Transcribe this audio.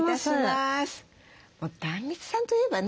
もう壇蜜さんといえばね